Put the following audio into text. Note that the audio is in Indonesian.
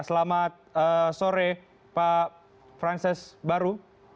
selamat sore pak frances baru